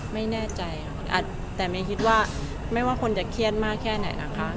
ไม่แน่ใจแต่ไม่คิดว่าไม่ว่าคนจะเครียดมากแค่ไหนนะคะ